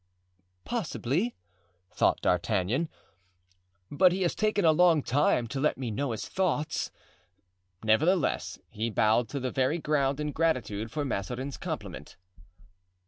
"Possibly," thought D'Artagnan, "but he has taken a long time to let me know his thoughts;" nevertheless, he bowed to the very ground in gratitude for Mazarin's compliment.